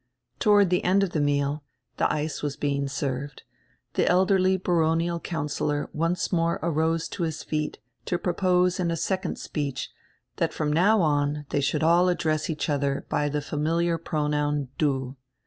Toward die end of die meal — die ice was being served — die elderly baronial councillor once more arose to his feet to propose in a second speech diat from now on diey should all address each other by die familiar pro noun "Du."